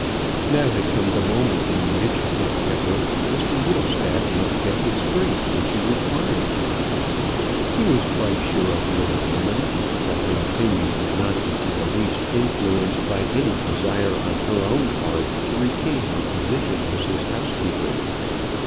Now had come the moment in which, if ever, Mr Whittlestaff must get the strength which he required. He was quite sure of the old woman, that her opinion would not be in the least influenced by any desire on her own part to retain her position as his housekeeper.